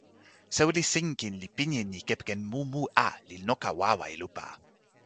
soweli Sinkin li pini e ni kepeken mu mu a, li noka wawa e lupa.